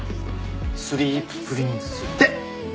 スリーププリンスで！